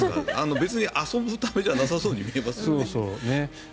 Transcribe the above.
別に遊ぶためじゃなさそうに見えますよね。